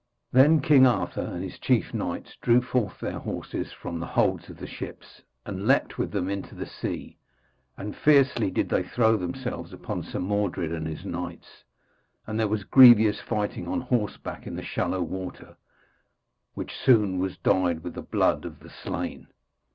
Then King Arthur and his chief knights drew forth their horses from the holds of the ships, and leaped with them into the sea, and fiercely did they throw themselves upon Sir Mordred and his knights, and there was grievous fighting on horseback in the shallow water, which soon was dyed with the blood of the slain.